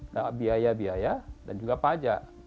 nah biaya biaya dan juga pajak